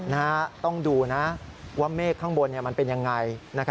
นะฮะต้องดูนะว่าเมฆข้างบนมันเป็นยังไง